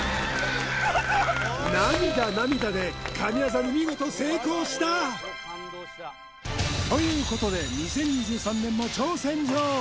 涙涙で神業に見事成功したということで２０２３年も挑戦状